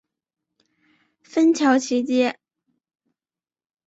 芬乔奇街。